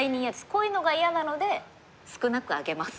こういうのが嫌なので少なくあげます。